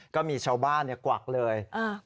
ก็มีชาวบ้านกวักเลย